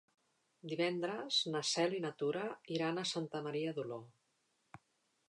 Divendres na Cel i na Tura iran a Santa Maria d'Oló.